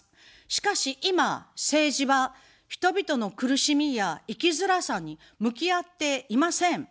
しかし、今政治は人々の苦しみや生きづらさに向き合っていません。